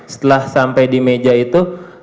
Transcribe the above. setelah sampai di meja itu